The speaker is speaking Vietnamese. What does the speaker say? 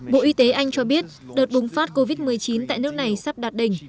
bộ y tế anh cho biết đợt bùng phát covid một mươi chín tại nước này sắp đạt đỉnh